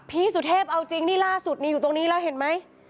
สุเทพเอาจริงนี่ล่าสุดนี่อยู่ตรงนี้แล้วเห็นไหม